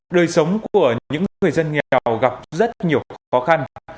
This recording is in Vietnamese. đời sống của những người dân nghèo gặp rất nhiều khó khăn